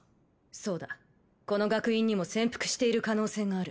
そうだこの学院にも潜伏している可能性がある